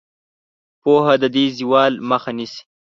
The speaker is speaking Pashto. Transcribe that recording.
پوهه د دې زوال مخه نیسي.